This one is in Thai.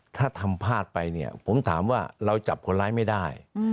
ถ้าทำพลาดไปเนี่ยผมถามว่าเราจับคนร้ายไม่ได้